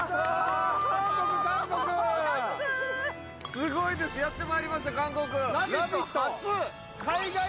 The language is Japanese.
すごいです、やってまいりました韓国。